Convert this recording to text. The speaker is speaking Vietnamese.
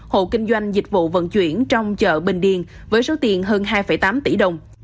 hộ kinh doanh dịch vụ vận chuyển trong chợ bình điền với số tiền hơn hai tám tỷ đồng